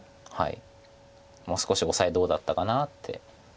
もう少しオサエどうだったかなって。